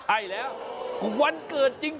ใช่แล้ววันเกิดจริง